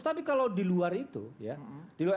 tapi kalau di luar itu ya